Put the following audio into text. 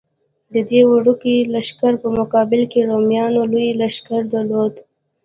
د دې وړوکي لښکر په مقابل کې رومیانو لوی لښکر درلود.